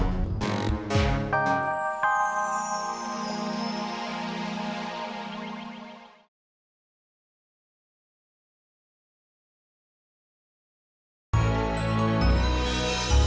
harus watah dari mas